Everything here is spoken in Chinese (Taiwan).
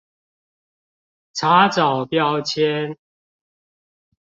查找標籤